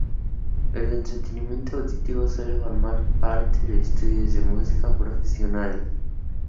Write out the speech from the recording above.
El entrenamiento auditivo suele formar parte de estudios de música profesionales.